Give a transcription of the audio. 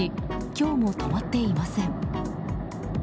今日も止まっていません。